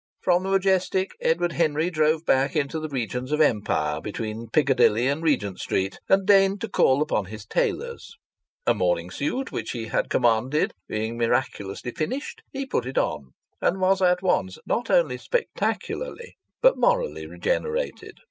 From the Majestic Edward Henry drove back into the regions of Empire, between Piccadilly and Regent Street, and deigned to call upon his tailors. A morning suit which he had commanded being miraculously finished, he put it on, and was at once not only spectacularly but morally regenerated.